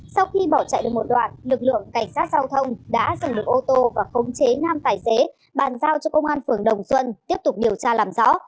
sau khi bỏ chạy được một đoạn lực lượng cảnh sát giao thông đã dừng lực ô tô và khống chế nam tài xế bàn giao cho công an phường đồng xuân tiếp tục điều tra làm rõ